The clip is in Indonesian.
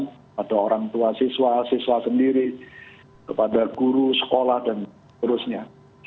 kepada orang tua siswa siswa sendiri kepada guru sekolah dan seterusnya